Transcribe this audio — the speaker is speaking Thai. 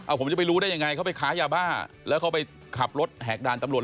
ผมจะไปรู้ได้ยังไงเขาไปค้ายาบ้าแล้วเขาไปขับรถแหกด่านตำรวจ